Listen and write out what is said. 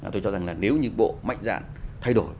tôi cho rằng là nếu như bộ mạnh dạng thay đổi